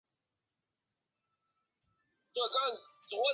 无言通是中国唐朝的一位禅宗僧人。